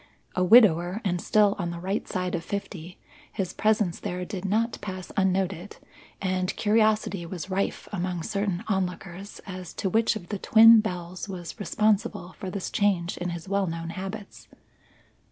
A widower and still on the right side of fifty, his presence there did not pass unnoted, and curiosity was rife among certain onlookers as to which of the twin belles was responsible for this change in his well known habits.